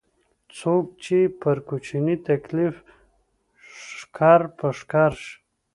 څوک چې پر کوچني تکليف ښکر په ښکر شي.